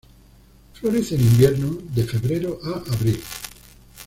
Florece en invierno, de febrero a abril.